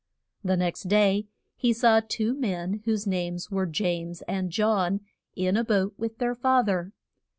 The next day he saw two men whose names were James and John in a boat with their fa ther.